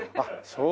そう。